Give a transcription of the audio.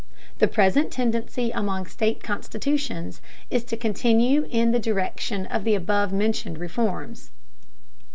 The present tendency among state constitutions is to continue in the direction of the above mentioned reforms.